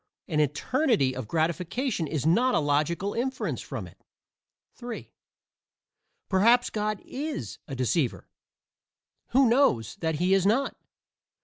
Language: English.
An eternity of gratification is not a logical inference from it. (3) Perhaps God is "a deceiver;" who knows that he is not?